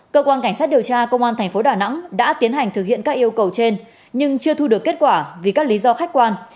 cơ quan cảnh sát điều tra công an thành phố đà nẵng đã tiến hành thực hiện các yêu cầu trên nhưng chưa thu được kết quả vì các lý do khách quan